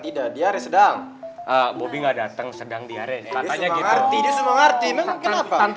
tidak diare sedang bobby nggak datang sedang diare katanya gitu ngerti ngerti mengapa tante